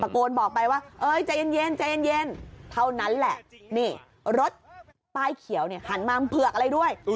โกนบอกไปว่าเอ้ยใจเย็นใจเย็นเท่านั้นแหละนี่รถป้ายเขียวเนี่ยหันมาเผือกอะไรด้วย